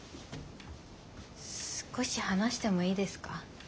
少し話してもいいですか？